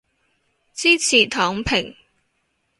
支持躺平